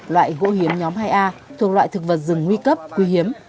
loại gỗ hiếm nhóm hai a thuộc loại thực vật rừng nguy cấp quy hiếm